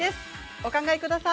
お考えください。